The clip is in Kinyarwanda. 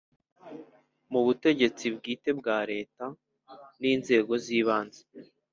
Mu butegetsi bwite bwa Leta n’ inzego z’ibanze